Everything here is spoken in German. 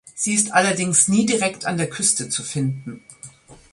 Sie ist allerdings nie direkt an der Küste zu finden.